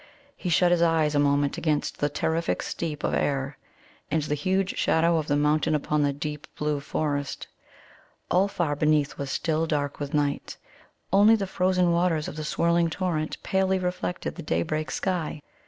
He shut his eyes a moment against that terrific steep of air, and the huge shadow of the mountain upon the deep blue forest. All far beneath was still dark with night; only the frozen waters of the swirling torrent palely reflected the daybreak sky.